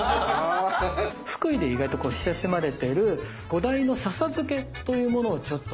福井で意外と親しまれてる「小鯛の笹漬け」というものをちょっと。